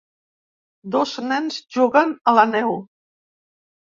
Dos nens juguen a la neu.